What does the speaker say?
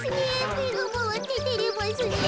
めがまわっててれますねえ。